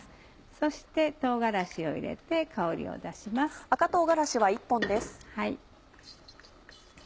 そして唐辛子を入れて香りを出します。